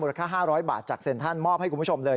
มูลค่า๕๐๐บาทจากเซ็นทร์ท่านมอบให้คุณผู้ชมเลย